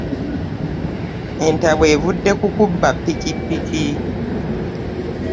Entabwe envudde ku kubba ppikippiki.